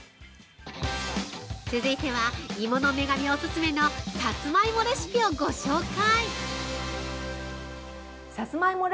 ◆続いては「芋の女神」オススメのさつまいもレシピをご紹介！